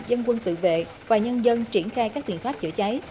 dân quân tự vệ và nhân dân triển khai các biện pháp chữa cháy